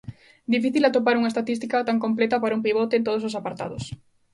Difícil atopar unha estatística tan completa para un pivote en todos os apartados.